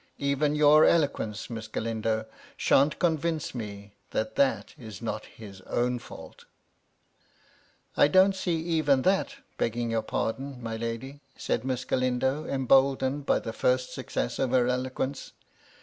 Even your eloquence, Miss Galindo, shan't convince me that that is not his own fault." " I don't see even that, begging your pardon, my lady," said Miss Galindo, emboldened by the first suc cess of her eloquence.